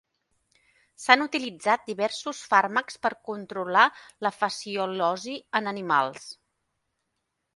S'han utilitzat diversos fàrmacs per controlar la fasciolosi en animals.